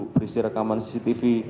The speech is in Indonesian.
berisi rekaman cctv